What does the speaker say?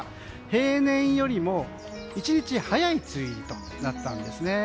平年よりも１日早い梅雨入りとなったんです。